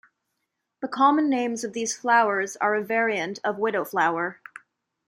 The common names of these flowers are a variant of widow flower.